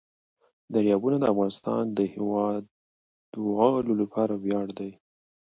دریابونه د افغانستان د هیوادوالو لپاره ویاړ دی.